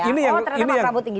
oh ternyata pak prabowo tinggi dulu